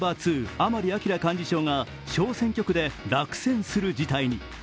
甘利明幹事長が小選挙区で落選する事態に。